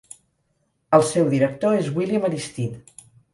El seu director és William Aristide.